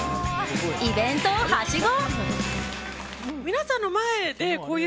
イベントをはしご。